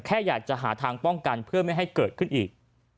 แค่อยากจะหาทางป้องกันเพื่อไม่ให้เกิดขึ้นอีก